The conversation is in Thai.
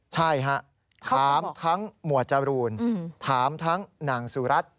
ใช่ฮะถามทั้งหมวดจรูนถามทั้งนางสุรัตน์